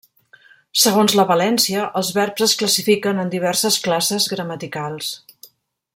Segons la valència, els verbs es classifiquen en diverses classes gramaticals.